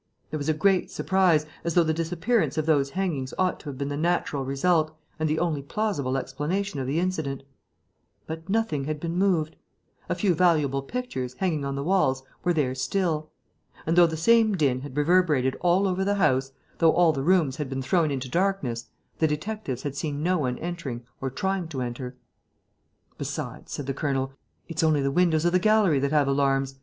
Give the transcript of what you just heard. There was a great surprise, as though the disappearance of those hangings ought to have been the natural result and the only plausible explanation of the incident. But nothing had been moved. A few valuable pictures, hanging on the walls, were there still. And, though the same din had reverberated all over the house, though all the rooms had been thrown into darkness, the detectives had seen no one entering or trying to enter. "Besides," said the colonel, "it's only the windows of the gallery that have alarms.